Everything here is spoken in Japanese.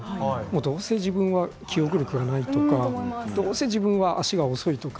どうせ自分は記憶力がないとかどうせ自分は足が遅いとか。